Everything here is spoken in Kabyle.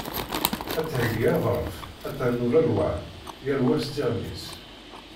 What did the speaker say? Ad theyyi aḍref, ad ternu lalwan, yal wa s tiɣmi-s.